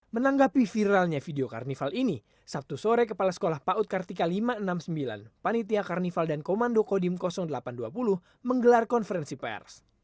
menanggapi viralnya video carnival ini sabtu sore kepala sekolah paut kartika lima ratus enam puluh sembilan panitia karnival dan komando kodim delapan ratus dua puluh menggelar konferensi pers